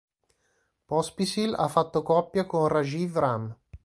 Pospisil ha fatto coppia con Rajeev Ram.